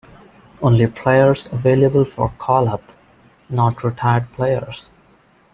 Only players available for call-up, not retired players.